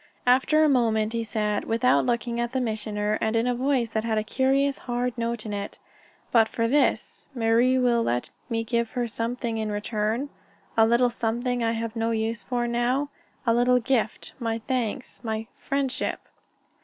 After a moment he said, without looking at the Missioner, and in a voice that had a curious hard note in it: "But for this ... Marie will let me give her something in return a little something I have no use for now? A little gift my thanks my friendship...."